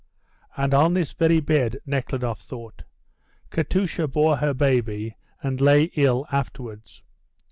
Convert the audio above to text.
"And on this very bed," Nekhludoff thought, "Katusha bore her baby and lay ill afterwards."